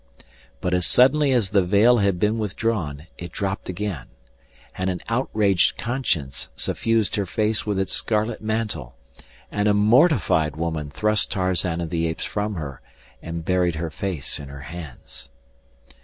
But as suddenly as the veil had been withdrawn it dropped again, and an outraged conscience suffused her face with its scarlet mantle, and a mortified woman thrust Tarzan of the Apes from her and buried her face in her hands.